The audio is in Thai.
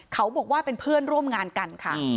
เขาบอกว่าเป็นเพื่อนร่วมงานกันค่ะ